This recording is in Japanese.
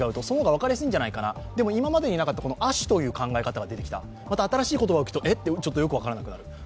その方が分かりやすいんじゃないかな、でも今までになかった亜種という考え方が出てきた、また新しい言葉を聞くとえっ？と分からなくなる。